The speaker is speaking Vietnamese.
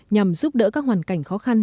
nhằm giúp đỡ các hoàn cảnh khó khăn